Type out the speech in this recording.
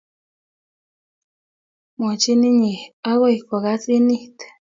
Mwachin inye akoi kokasin it.